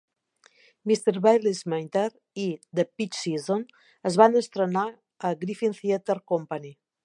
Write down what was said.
Mr Bailey's Minder i The Peach Season es van estrenar a Griffin Theatre Company.